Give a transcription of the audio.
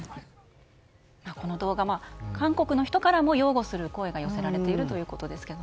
この動画、韓国の人からも擁護する声が寄せられていると。